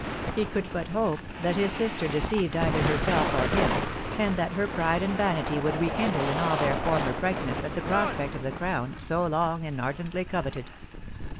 He could but hope that his sister deceived either herself or him, and that her pride and vanity would rekindle in all their former brightness at the prospect of the crown so long and ardently coveted.